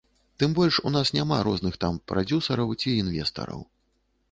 Тым больш, у нас няма розных там прадзюсараў ці інвестараў.